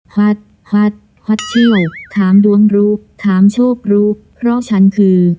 ฮอตฮอตฮอตเที่ยวถามดวงรู้ถามโชครู้เพราะฉันคือ